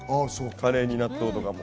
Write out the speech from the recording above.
カレーに納豆とかも。